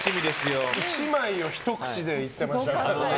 １枚をひと口でいっていましたから。